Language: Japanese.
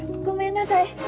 ごめんなさい。